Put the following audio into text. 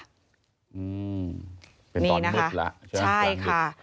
เป็นตอนมึดละใช่ค่ะ